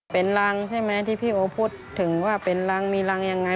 เป็นรังใช่ไหมที่พี่โอพูดถึงว่าเป็นรังมีรังยังไง